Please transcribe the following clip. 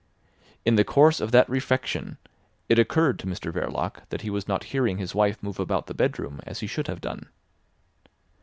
In the course of that refection it occurred to Mr Verloc that he was not hearing his wife move about the bedroom as he should have done.